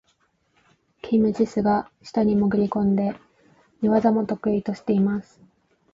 キム・ジスが下に潜り込んで、寝技も得意としています。